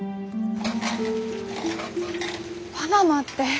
パナマってええ？